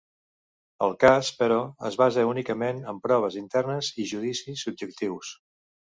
El cas, però, es basa únicament en proves internes i judicis subjectius.